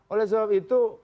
oleh sebab itu